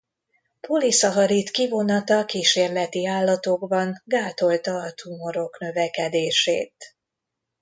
Poliszacharid-kivonata kísérleti állatokban gátolta a tumorok növekedését.